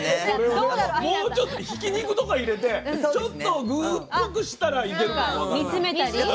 もうちょっとひき肉とか入れてちょっと具っぽくしたらいけるかもわかんない。